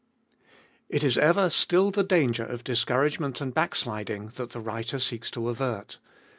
IT is ever still the danger of discouragement and backsliding that the writer seeks to avert.